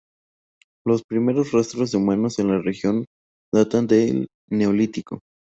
Los primeros rastros de humanos en la región datan del neolítico.